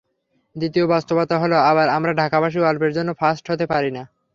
দ্বিতীয় বাস্তবতা হলো, আবার আমরা ঢাকাবাসী অল্পের জন্য ফার্স্ট হতে পারি না।